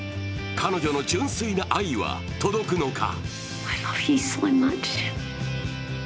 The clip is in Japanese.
彼女の純粋な愛は届くのか。